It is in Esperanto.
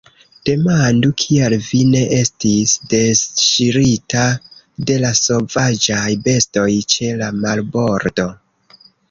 Demandu, kial vi ne estis disŝirita de la sovaĝaj bestoj ĉe la marbordo.